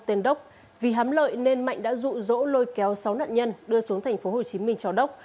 tên đốc vì hám lợi nên mạnh đã dụ dỗ lôi kéo sáu nạn nhân đưa xuống thành phố hồ chí minh cho đốc